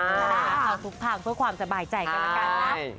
ขอบทุกครับทุกครังเพื่อความสบายใจกันนะครับ